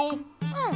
うん。